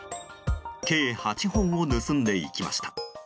計８本を盗んでいきました。